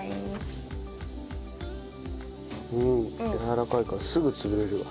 やわらかいからすぐ潰れるわ。